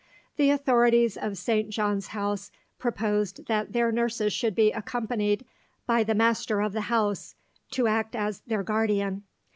The authorities of St. John's House proposed that their nurses should be accompanied by the Master of the House, to act as "their guardian."